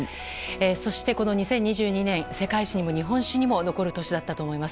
そして２０２２年世界史にも日本史人も残る１年だったと思います。